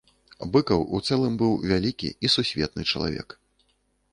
Быкаў у цэлым быў вялікі і сусветны чалавек.